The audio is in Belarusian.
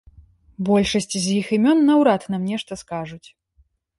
Большасць з іх імён наўрад нам нешта скажуць.